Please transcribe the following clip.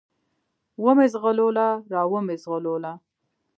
و مې زغلوله، را ومې زغلوله.